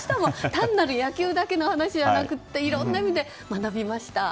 単なる野球の話だけじゃなくていろんな意味で学びました。